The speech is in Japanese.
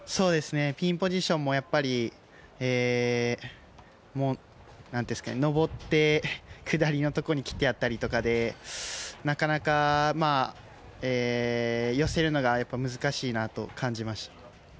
ピンポジションもやっぱり上って、下りのところに切ってあったりとかでなかなか、寄せるのが難しいなと感じました。